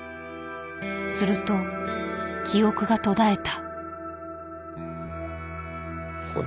すると記憶が途絶えた。